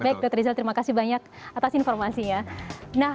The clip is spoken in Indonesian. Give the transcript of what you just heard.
baik dr rizal terima kasih banyak atas informasinya